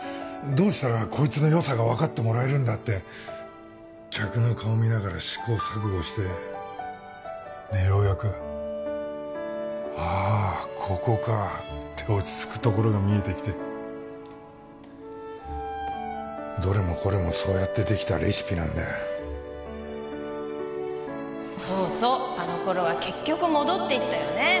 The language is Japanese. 「どうしたらこいつの良さが分かってもらえるんだ」って客の顔見ながら試行錯誤してようやく「ああここか」って落ち着くところが見えてきてどれもこれもそうやってできたレシピなんだそうそうあの頃は結局戻っていったよね